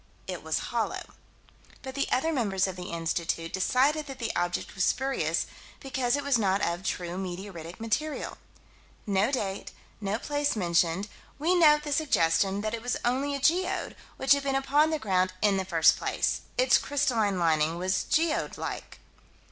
It was hollow. But the other members of the Institute decided that the object was spurious, because it was not of "true meteoritic material." No date; no place mentioned; we note the suggestion that it was only a geode, which had been upon the ground in the first place. Its crystalline lining was geode like.